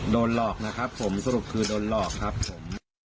โดนหลอกนะครับผมสรุปคือโดนหลอกครับผม